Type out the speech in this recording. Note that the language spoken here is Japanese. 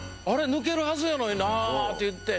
抜けるはずやのになぁって言って。